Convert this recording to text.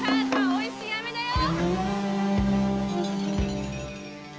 おいしい飴だよ！